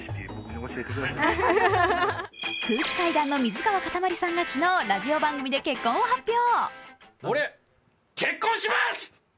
空気階段の水川かたまりさんが昨日、ラジオ番組で結婚を発表。